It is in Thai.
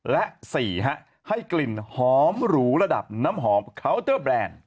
และ๔ให้กลิ่นหอมหรูระดับน้ำหอมเคาน์เตอร์แบรนด์